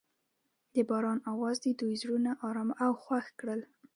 د باران اواز د دوی زړونه ارامه او خوښ کړل.